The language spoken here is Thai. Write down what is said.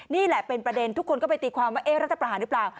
นี่แหละเป็นประเด็นทุกคนก็ไปตีความว่ารัฐประหารหรือเปล่า